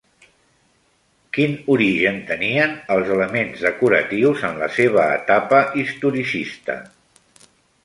Quin origen tenien els elements decoratius en la seva etapa historicista?